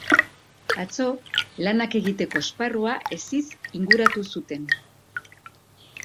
Atzo, lanak egiteko esparrua hesiz inguratu zuten.